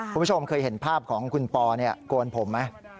คุณผู้ชมเคยเห็นภาพของคุณปอโกนผมไหม